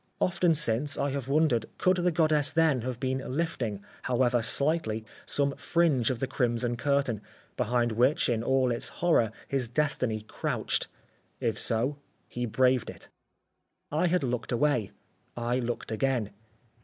Often since I have wondered could the goddess then have been lifting, however slightly, some fringe of the crimson curtain, behind which, in all its horror, his destiny crouched. If so, he braved it. I had looked away. I looked again.